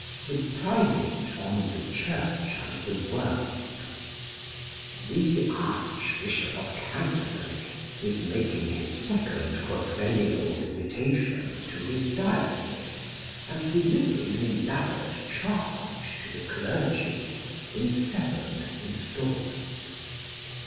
THE PRIMATE ON THE CHURCH AND THE WORLD (1876.) The Archbishop of Canterbury is making his second quadrennial visitation to his diocese, and delivering an elaborate Charge to the clergy, in seven instalments.